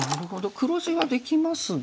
黒地はできますが。